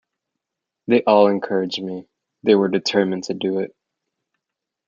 They all encouraged me; they were determined to do it.